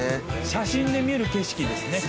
写真で見る景色ですね。